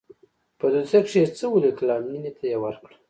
په دوسيه کښې يې څه وليکل او مينې ته يې ورکړه.